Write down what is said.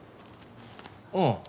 うん。